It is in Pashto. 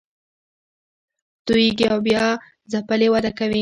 توییږي او بیا ځپلې وده کوي